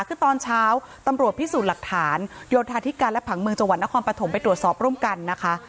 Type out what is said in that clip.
คือตอนเช้าตำรวจพิสูจน์หลักฐานโยธาธิการและผังเมืองจังหวัดนครปฐมไปตรวจสอบร่วมกันนะคะ